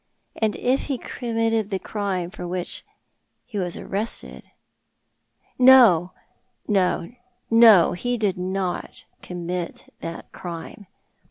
And if he committed the crime for which he was arrested " "No, no, no! lie did not commit that crime.